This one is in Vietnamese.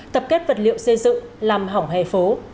tập kết vật liệu xây dựng làm hỏng hẻ phố